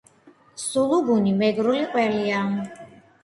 სულუგუნი მეგრული ყველია